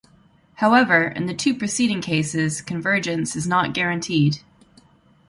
However, in the two preceding cases, convergence is not guaranteed.